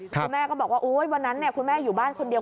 คุณแม่ก็บอกว่าวันนั้นคุณแม่อยู่บ้านคนเดียว